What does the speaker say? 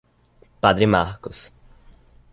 Padre Marcos